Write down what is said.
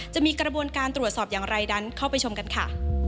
จะมีกระบวนการตรวจสอบอย่างไรนั้นเข้าไปชมกันค่ะ